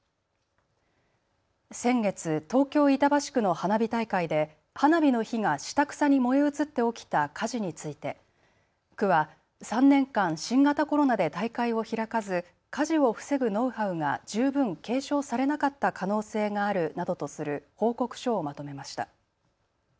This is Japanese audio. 先月、東京板橋区の花火大会で花火の火が下草に燃え移って起きた火事について区は３年間、新型コロナで大会を開かず火事を防ぐノウハウが十分継承されなかった可能性があるなどとする報告書をまとめました。